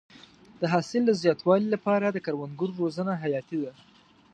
د حاصل د زیاتوالي لپاره د کروندګرو روزنه حیاتي ده.